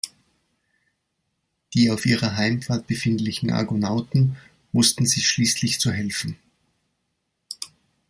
Die auf ihrer Heimfahrt befindlichen Argonauten wussten sich schließlich zu helfen.